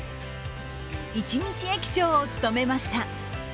一日駅長を務めました。